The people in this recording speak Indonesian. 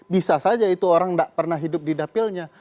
bisa saja itu orang tidak pernah hidup di dapilnya